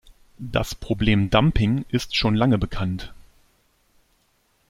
Das Problem "Dumping" ist schon lange bekannt.